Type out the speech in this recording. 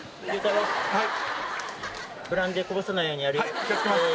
はい。